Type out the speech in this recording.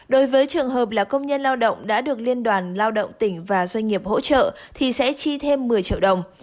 đối với trường hợp là công nhân lao động đã được liên đoàn lao động tỉnh và doanh nghiệp hỗ trợ thì sẽ chi thêm một mươi triệu đồng